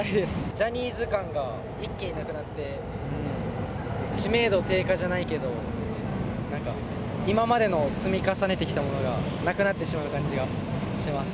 ジャニーズ感が一気になくなって、知名度低下じゃないけど、なんか、今までの積み重ねてきたものがなくなってしまう感じがします。